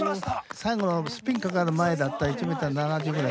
最後のスピン掛かる前だったら１メートル７０ぐらいだった。